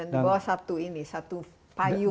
di bawah satu ini satu payung